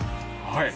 はい？